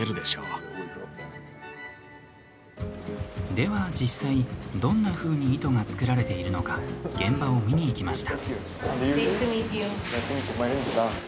では実際、どんなふうに糸が作られているのか現場を見に行きました。